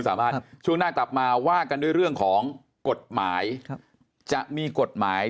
ช่วงหน้ากลับมาว่ากันด้วยเรื่องของกฎหมายจะมีกฎหมาย